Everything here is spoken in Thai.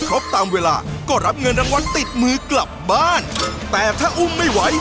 เกมจะจบหยุดการแข่งขันทันที